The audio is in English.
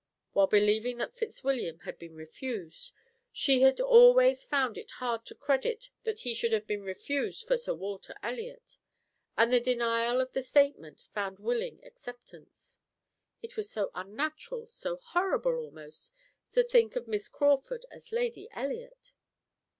While believing that Fitzwilliam had been refused, she had always found it hard to credit that he should have been refused for Sir Walter Elliot, and the denial of the statement found willing acceptance. It was so unnatural, so horrible, almost, to think of Miss Crawford as Lady Elliot!